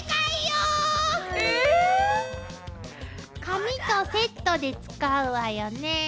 紙とセットで使うわよね？